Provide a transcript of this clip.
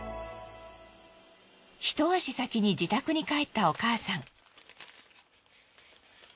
一足先に自宅に帰ったお母さん。